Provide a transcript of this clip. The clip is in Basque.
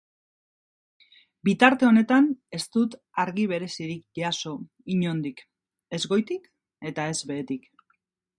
Bitarte honetan ez dut argi berezirik jaso inondik, ez goitik eta ez behetik.